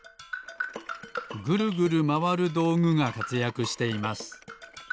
ぐるぐるまわるどうぐがかつやくしています。